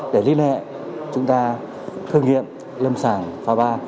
để liên hệ chúng ta thử nghiệm lâm sàng phạm ba